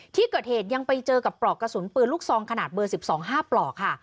ที่เกิดเหตุยังไปเจอกับปลอกกระสุนปืนลูกซองขนาดเบอร์๑๒๕ปลอกค่ะ